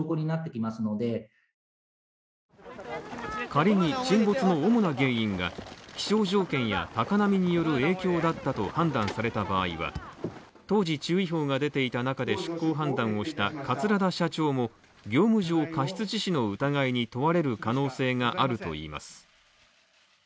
仮に沈没の主な原因が、気象条件や高波による影響だったと判断された場合は、当時注意報が出ていた中で出航判断をした桂田社長も、業務上過失致死の疑いに問われる可能性があるといいます。